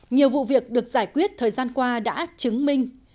nhiều vụ việc được giải quyết thời gian qua đã chứng minh